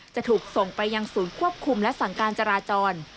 จะถูกส่งไปยังศูนย์ควบคุมและสั่งการจราจร